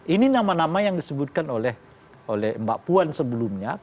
ini nama nama yang disebutkan oleh mbak puan sebelumnya